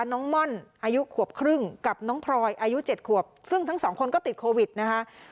ม่อนอายุขวบครึ่งกับน้องพลอยอายุ๗ขวบซึ่งทั้งสองคนก็ติดโควิดนะคะ